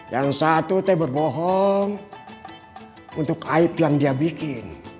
yang satu saya berbohong untuk aib yang dia bikin